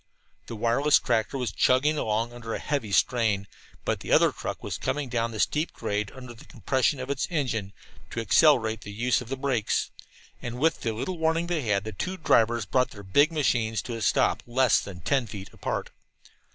The wireless tractor was chugging along under a heavy strain, but the other truck was coming down the steep grade under the compression of its engine, to accelerate the use of the brakes. And with the little warning they had, the two drivers brought their big machines to a stop less than ten feet apart.